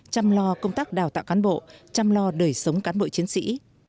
chăm lo công tác đào tạo cán bộ chăm lo đời sống cán bộ chiến sĩ